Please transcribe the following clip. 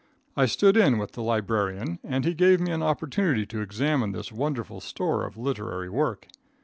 I stood in with the librarian and he gave me an opportunity to examine this wonderful store of literary work.